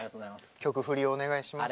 曲振りをお願いします。